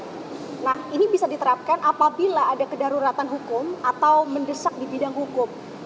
nah ini bisa diterapkan apabila ada kedaruratan hukum atau mendesak di bidang hukum